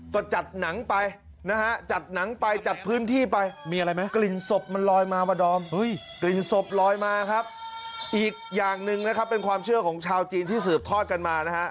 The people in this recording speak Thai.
กลิ่นศพลอยมาครับอีกอย่างนึงนะครับเป็นความเชื่อของชาวจีนที่สืบทอดกันมานะฮะ